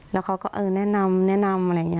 แล้วเขาก็เออแนะนำแนะนำอะไรอย่างนี้